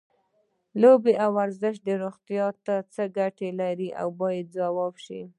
لوبې او ورزش روغتیا ته څه ګټې لري باید ځواب شي.